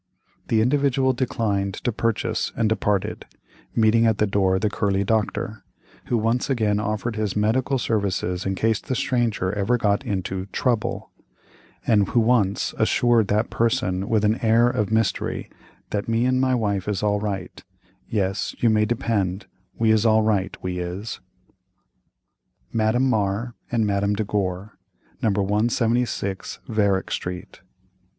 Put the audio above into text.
The Individual declined to purchase and departed, meeting at the door the curly Doctor, who once again offered his medical services in case the stranger ever got into "trouble," and who once again assured that person with an air of mystery that "me and my wife is all right—yes, you may depend, we is all right, we is." MADAME MAR, AND MADAME DE GORE, No. 176 VARICK STREET.